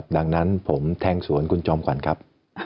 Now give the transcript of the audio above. ดังนั้นผมแทงสวนคุณจอมขวัญครับ